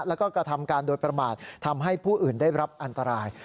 แล้วก็กระทำการโดยประมาททำให้ผู้อื่นได้รับอันตราย